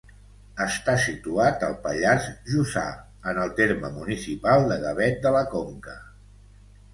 Està situat al Pallars Jussà, en el terme municipal de Gavet de la Conca.